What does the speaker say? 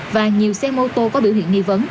và nhiều xe mô tô có biểu hiện nghi vấn